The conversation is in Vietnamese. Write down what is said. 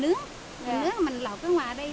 nướng rồi mình lọc cái ngoài đây